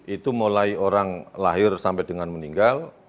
itu mulai orang lahir sampai dengan meninggal